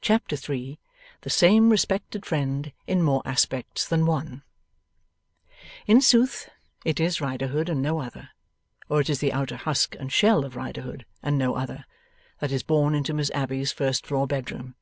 Chapter 3 THE SAME RESPECTED FRIEND IN MORE ASPECTS THAN ONE In sooth, it is Riderhood and no other, or it is the outer husk and shell of Riderhood and no other, that is borne into Miss Abbey's first floor bedroom.